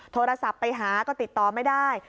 โทรศัพท์ไปหาก็ติดต่อไม่ได้